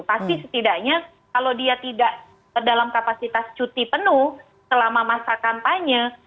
pasti setidaknya kalau dia tidak dalam kapasitas cuti penuh selama masa kampanye